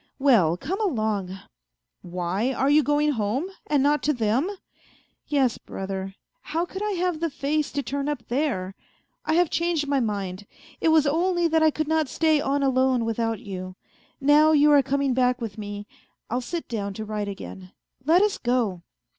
Well, come along !"" Why, are you going home, and not to them ?"" Yes, brother, how could I have the face to turn up there ?... I have changed my mind. It was only that I could not stay on alone without you ; now you are coming back with me I'll sit down to write again. Let us go